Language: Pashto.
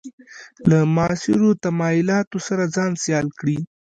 له معاصرو تمایلاتو سره ځان سیال کړي.